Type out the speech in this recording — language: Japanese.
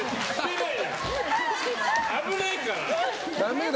危ないから。